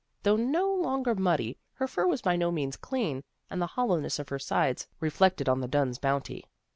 Though no longer muddy, her fur was by no means clean, and the hollowness of her sides reflected on the Dunns' bounty.